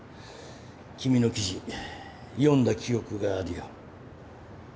君の記事読んだ記憶があるよ。